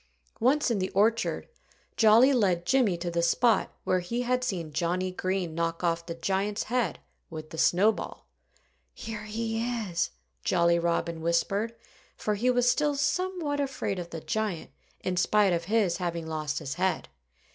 Once in the orchard, Jolly led Jimmy to the spot where he had seen Johnnie Green knock off the giant's head with the snowball. "Here he is!" Jolly Robin whispered for he was still somewhat afraid of the giant, in spite of his having lost his head.